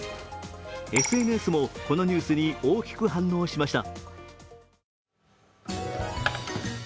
ＳＮＳも、このニュースに大きく反応しました。